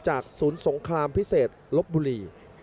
ศูนย์สงครามพิเศษลบบุรี